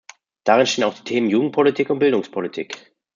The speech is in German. Darin stehen auch die Themen Jugendpolitik und Bildungspolitik.